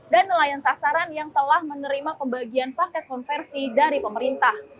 dan nelayan sasaran yang telah menerima pembagian paket konversi dari pemerintah